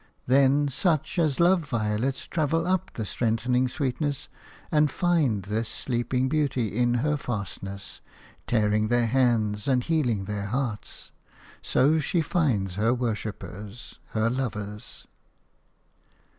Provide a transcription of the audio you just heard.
Then such as love violets travel up the strengthening sweetness and find this sleeping beauty in her fastness, tearing their hands and healing their hearts. So she finds her worshippers, her lovers.